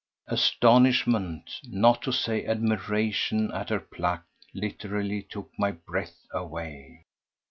Astonishment, not to say admiration, at her pluck literally took my breath away.